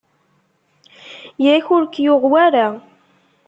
Yak ur k-yuɣ wara?